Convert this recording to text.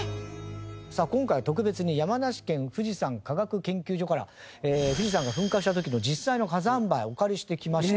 さあ今回は特別に山梨県富士山科学研究所から富士山が噴火した時の実際の火山灰をお借りしてきました。